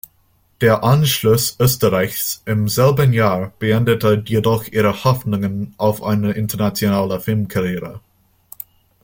Der „Anschluss“ Österreichs im selben Jahr beendete jedoch ihre Hoffnungen auf eine internationale Filmkarriere.